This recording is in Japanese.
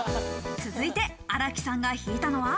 続いて新木さんが引いたのは。